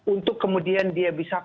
untuk kemudian dia bisa